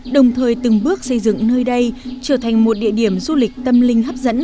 đồng thời từng bước xây dựng nơi đây trở thành một địa điểm du lịch tâm linh hấp dẫn